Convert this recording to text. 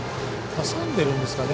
挟んでるんですかね？